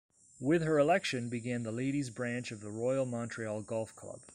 With her election, began the Ladies' Branch of the Royal Montreal Golf Club.